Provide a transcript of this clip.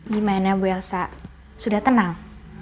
gimana bu elsa sudah tenang